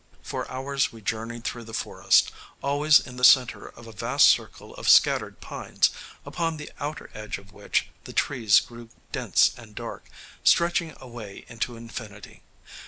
For hours we journeyed through the forest, always in the centre of a vast circle of scattered pines, upon the outer edge of which the trees grew dense and dark, stretching away into infinity.